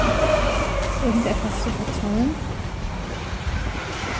Irgendetwas zu verzollen?